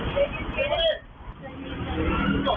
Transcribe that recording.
ทุกคนไม่เอาแบบดุล